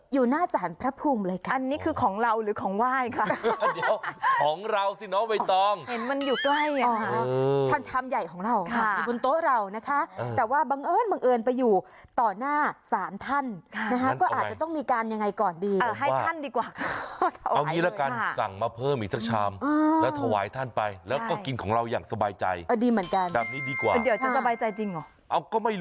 อ๋อชามชามใหญ่ของเราค่ะอยู่บนโต๊ะเรานะคะเออแต่ว่าบังเอิญบังเอิญไปอยู่ต่อหน้าสามท่านค่ะนะฮะก็อาจจะต้องมีการยังไงก่อนดีเออให้ท่านดีกว่าเอาอย่างงี้แล้วกันสั่งมาเพิ่มอีกสักชามอืมแล้วถวายท่านไปใช่แล้วก็กินของเราอย่างสบายใจเออดีเหมือนกันแบบนี้ดีกว่าเดี๋ยวจะสบายใจจริ